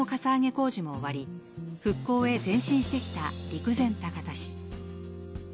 工事も終わり、復興へ前進してきた陸前高田市。